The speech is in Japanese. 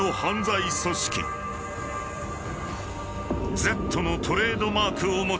［Ｚのトレードマークを持つ］